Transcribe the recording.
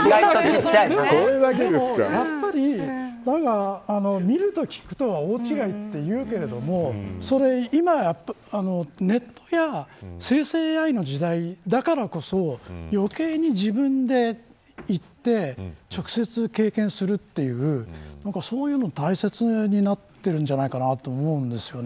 でもやっぱり見ると聞くとは大違いと言うけれども今、ネットや生成ＡＩの時代だからこそ余計に自分で行って直接経験するというそういうのは大切になっているんじゃないかなと思うんですよね。